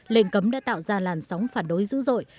lệnh cấm đã tạo ra làn sóng phản đối dữ dội